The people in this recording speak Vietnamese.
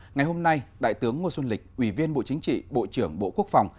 ngày hôm nay đại tướng ngô xuân lịch ủy viên bộ chính trị bộ trưởng bộ quốc phòng